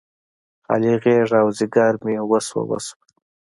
خالي غیږه او ځیګر مې وسوه، وسوه